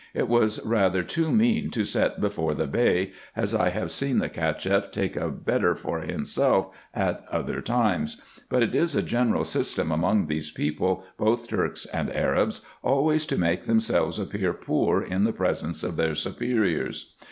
It was rather too mean to set before the Bey, as I have seen the Cacheff take a better for himself at other times ; but it is a general system among these people, both Turks and Arabs, always to make themselves appear poor in the 120 RESEARCHES AND OPERATIONS presence of their superiors.